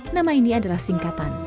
nama ini adalah singkatan